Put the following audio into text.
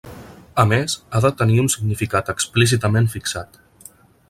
A més, ha de tenir un significat explícitament fixat.